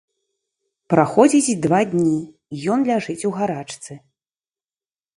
Праходзіць два дні, ён ляжыць у гарачцы.